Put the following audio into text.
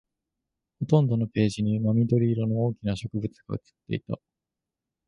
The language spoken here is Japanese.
ほとんどのページに真緑色の大きな植物が写っていた